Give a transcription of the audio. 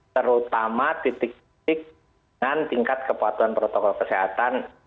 terutama titik titik dengan tingkat kepatuhan protokol kesehatan